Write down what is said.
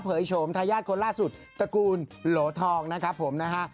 โฉมทายาทคนล่าสุดตระกูลโหลทองนะครับผมนะฮะ